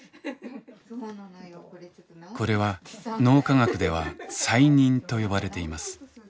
これは脳科学では再認と呼ばれています。